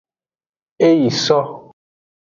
E yi so.